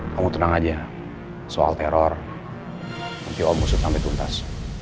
kamu tenang aja ya soal teror nanti om usut sampe tuntas